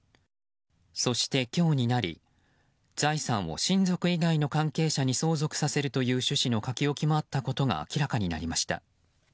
そして今日になり財産を親族以外の関係者に相続させるという趣旨の書き置きもあったことが明らかになりました。